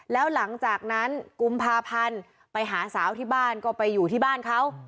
แล้วหลังจากนั้นกุมภาพันธ์ไปหาสาวที่บ้านก็ไปอยู่ที่บ้านเขา